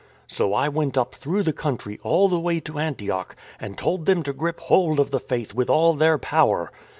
" So I went up through the country all the way to Antioch and told them to grip hold of the faith with all their power.